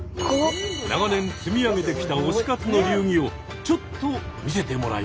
長年積み上げてきた推し活の流儀をちょっと見せてもらいましょう。